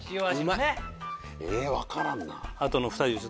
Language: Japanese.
分からんな。